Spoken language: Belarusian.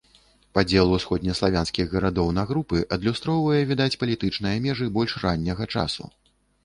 Падзел усходнеславянскіх гарадоў на групы адлюстроўвае, відаць, палітычныя межы больш ранняга часу.